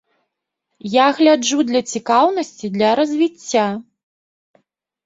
Я гляджу для цікаўнасці, для развіцця.